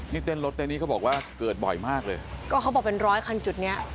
นี่เต้นรถเต้นนี้เขาบอกว่าเกิดบ่อยมากเลยก็เขาบอกเป็นร้อยคันจุดเนี้ย